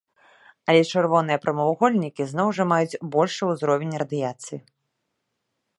Але чырвоныя прамавугольнікі зноў жа маюць большы ўзровень радыяцыі.